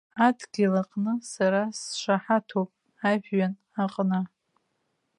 Адгьыл аҟны сара сшаҳаҭуп, ажәҩан аҟны.